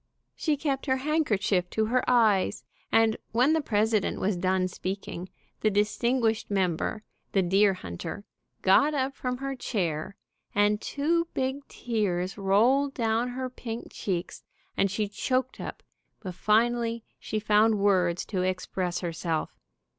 She kept her handkerchief to her eyes, and when the president was done speaking, the distinguished member, the deer hunter, got up from her chair, and two big tears rolled down her pink cheeks, and she choked up, but finally she found words to express herself.